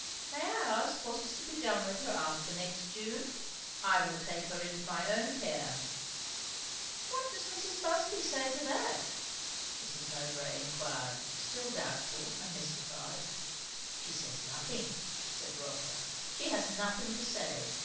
"May I ask, what is to be done with her after next June?" "I will take her into my own care." "What does Mrs. Busby say to that?" Mrs. Mowbray inquired, still doubtful and mystified. "She says nothing," said Rotha. "She has nothing to say.